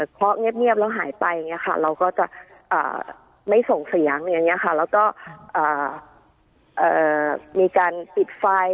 เคาะเงียบแล้วหายไปเราก็จะไม่ส่งเสียงแล้วก็มีการปิดไฟ